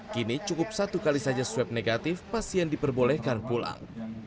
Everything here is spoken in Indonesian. kini cukup satu kali saja swab negatif pasien diperbolehkan pulang